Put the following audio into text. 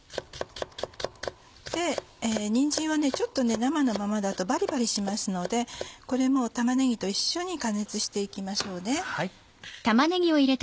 にんじんは生のままだとバリバリしますのでこれも玉ねぎと一緒に加熱して行きましょうね。